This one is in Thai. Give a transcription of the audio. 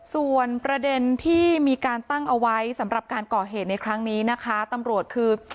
ส่วนประเด็นที่มีการตั้งเอาไว้สำหรับการก่อเหตุในครั้งนี้นะคะตำรวจคือ